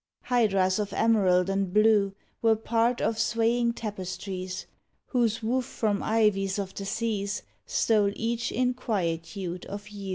Hydras of emerald and blue Were part of swaying tapestries Whose woof from ivies of the seas Stole each inquietude of hue.